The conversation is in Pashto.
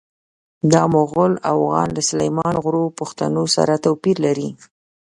دا مغول اوغان له سلیمان غرو پښتنو سره توپیر لري.